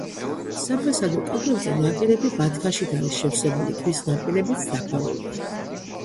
საფასადო კედლებზე ნაკერები ბათქაშით არის შევსებული, ქვის ნაპირებიც დაფარულია.